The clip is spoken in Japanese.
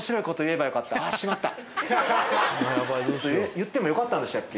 言ってもよかったんでしたっけ？